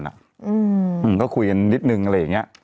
มันก็คุยกันนิดนึงอะไรอย่างนี้